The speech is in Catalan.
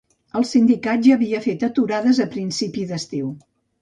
El sindicat ja havia fet aturades a principi d’estiu.